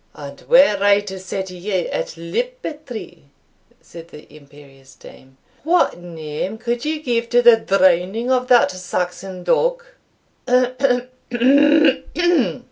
"And were I to set you at liberty," said the imperious dame, "what name could you give to the drowning of that Saxon dog?"